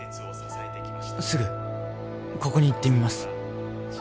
すぐここに行ってみます